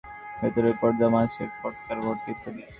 যেমন কোষ পর্দা, ডিমের খোসার ভেতরের পর্দা, মাছের পটকার পর্দা ইত্যাদি।